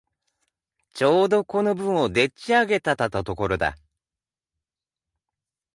ちょうどこの文をでっち上げたたところだ。